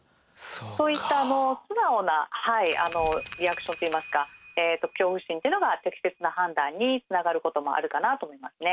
そういった素直なリアクションっていいますか恐怖心っていうのが適切な判断につながることもあるかなと思いますね。